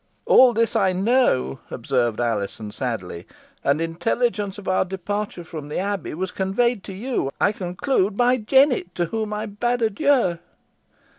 "All this I know," observed Alizon, sadly "and intelligence of our departure from the Abbey was conveyed to you, I conclude, by Jennet, to whom I bade adieu."